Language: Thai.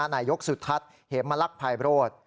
นายกสุทัศน์เหมลักษภายโรธ